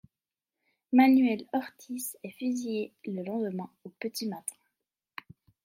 Manuel Ortiz est fusillé le lendemain, au petit matin.